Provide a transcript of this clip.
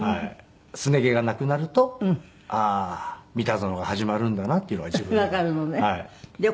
すね毛がなくなるとああ『ミタゾノ』が始まるんだなっていうのが自分の中で。